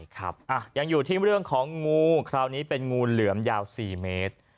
ครับยังอยู่ที่เรื่องของงูคราวนี้เป็นงูเหลือมยาว๔เมตร